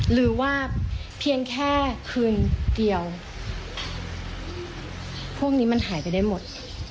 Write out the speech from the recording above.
หรือว่าเพียงแค่คืนเดียวพวกนี้มันหายไปได้หมด